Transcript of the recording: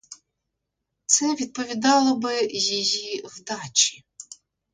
Це відповідало би її вдачі.